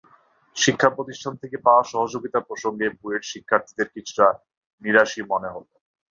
শিক্ষাপ্রতিষ্ঠান থেকে পাওয়া সহযোগিতা প্রসঙ্গে বুয়েটের শিক্ষার্থীদের কিছুটা নিরাশই মনে হলো।